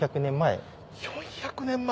４００年前？